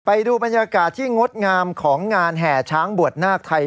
ไปดูบรรยากาศที่งดงามของงานแห่ช้างบวชนาคไทย